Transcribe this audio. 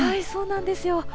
そうなんですよ。